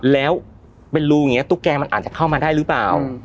แล้วเป็นรูอย่างนี้ตุ๊กแกมันอาจจะเข้ามาได้หรือเปล่า